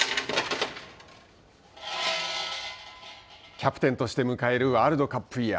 キャプテンとして迎えるワールドカップイヤー。